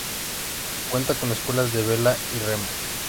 Cuenta con escuelas de vela y remo.